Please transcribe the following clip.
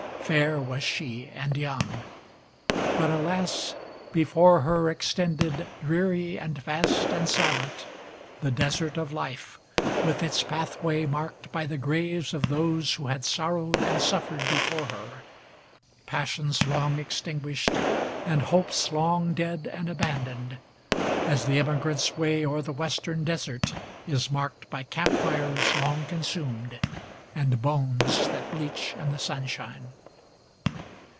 Fair was she and young; but, alas! before her extended, Dreary and vast and silent, the desert of life, with its pathway Marked by the graves of those who had sorrowed and suffered before her, Passions long extinguished, and hopes long dead and abandoned, As the emigrant's way o'er the Western desert is marked by Camp fires long consumed, and bones that bleach in the sunshine.